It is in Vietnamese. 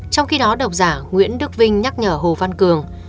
trong khi đó độc giả nguyễn đức vinh nhắc nhở hồ văn cường